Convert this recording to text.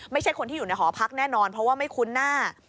ไม่ใช่คนที่อยู่ในหอพักแน่นอนเพราะว่าไม่คุ้นหน้า